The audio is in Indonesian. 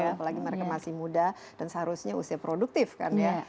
apalagi mereka masih muda dan seharusnya usia produktif kan ya